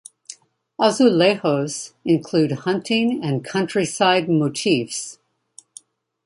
Azulejos include hunting and countryside motifs.